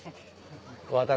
私。